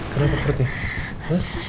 kenapa kenapa perutnya